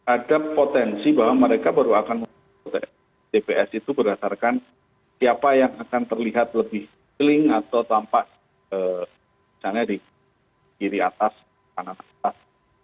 ada potensi bahwa mereka baru akan menggunakan tps itu berdasarkan siapa yang akan terlihat lebih seling atau tampak misalnya di kiri atas kanan atas